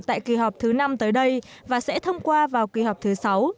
tại kỳ họp thứ năm tới đây và sẽ thông qua vào kỳ họp thứ sáu